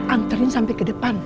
amtarin sampai ke depan